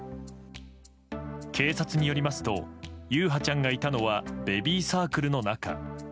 警察によりますと優陽ちゃんがいたのはベビーサークルの中。